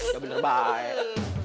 ya bener baik